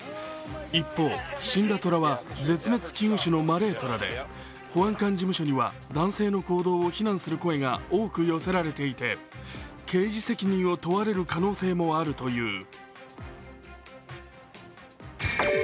一方、死んだ虎は絶滅危惧種のマレートラで保安官事務所には男性の行動を非難する声が多く寄せられていて刑事責任を問われる可能性もあるという。